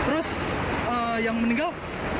terus yang meninggal